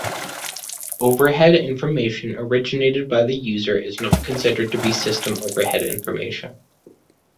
Overhead information originated by the user is not considered to be system overhead information.